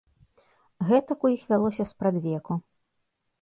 Гэтак у іх вялося спрадвеку.